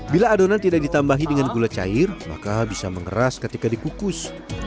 bila adonan tidak ditambahi dengan gula cair maka bisa mengeras ketika dikukus